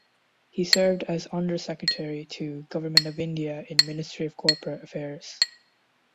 He served as Under Secretary to Government of India in Ministry of Corporate Affairs.